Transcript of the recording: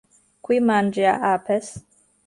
Qui mangia apes?